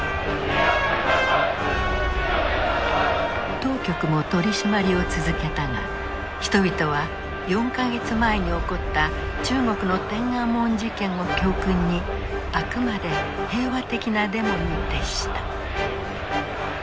当局も取締りを続けたが人々は４か月前に起こった中国の天安門事件を教訓にあくまで平和的なデモに徹した。